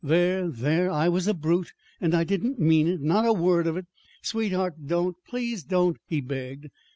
"There, there, I was a brute, and I didn't mean it not a word of it. Sweetheart, don't, please don't," he begged.